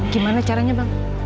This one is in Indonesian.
gimana caranya bang